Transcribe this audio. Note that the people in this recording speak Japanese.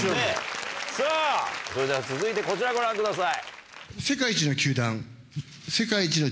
さぁそれでは続いてこちらをご覧ください。